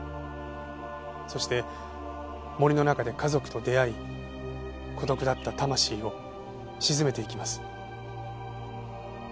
そして森の中で家族と出会い孤独だった魂を鎮めていきます。